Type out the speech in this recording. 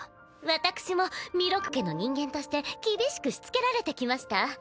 私も弥勒家の人間として厳しくしつけられてきました。